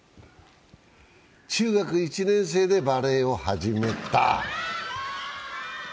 中学１年生でバレーを始めた。